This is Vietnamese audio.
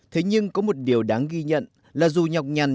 thế nhưng có một điều đáng ghi nhận là dù nhọc nhằn